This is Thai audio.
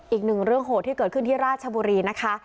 อีกหนึ่งเรื่องโหดที่เกิดขึ้นที่ราชบุรีนะคะ